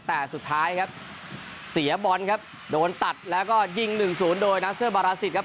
แต่สุดท้ายครับเสียบอลครับโดนตัดแล้วก็ยิงหนึ่งศูนย์โดยนัสเซอร์บาราศิษย์ครับ